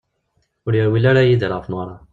Ur yerwil ara Yidir ɣef Newwara.